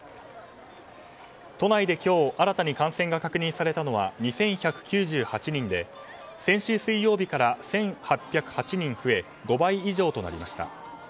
都内で今日新たに感染が確認されたのは２１９８人で先週水曜日から１８０８人増え５倍以上となりました。